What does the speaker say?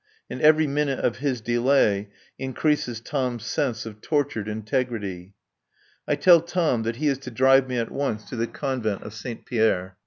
And every minute of his delay increases Tom's sense of tortured integrity. I tell Tom that he is to drive me at once to the Couvent de Saint Pierre.